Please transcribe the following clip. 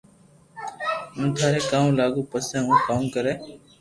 ھون ٿاري ڪاوُ لاگو پسي ھون ڪاو ڪري